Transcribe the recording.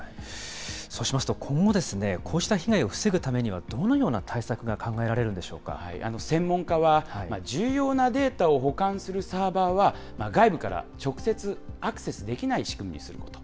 そうしますと今後、こうした被害を防ぐためには、どのような専門家は、重要なデータを保管するサーバーは、外部から直接アクセスできない仕組みにすること。